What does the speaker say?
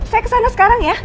saya kesana sekarang ya